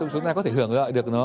chúng ta có thể hưởng lợi được nó